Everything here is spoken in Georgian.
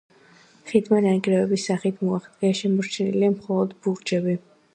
ხიდმა ნანგრევების სახით მოაღწია, შემორჩენილია მხოლოდ ბურჯები.